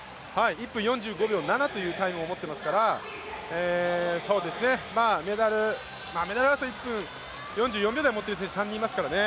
１分４５秒７というタイムを持っていますからメダル争い、１分４４秒台を持っている選手３人いますからね。